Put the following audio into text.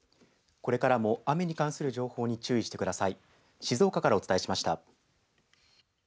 これからも雨に関する情報に注意してください。